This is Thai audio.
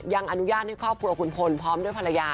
ยังอนุญาตให้ครอบครัวคุณพลพร้อมด้วยภรรยา